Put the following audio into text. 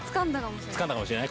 つかんだかもしれない？